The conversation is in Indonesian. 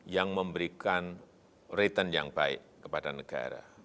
yang memberikan return yang baik kepada negara